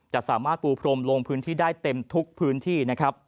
จะสามารถปูพรมลงพื้นที่ได้เต็มทุกพื้นที่นะครับ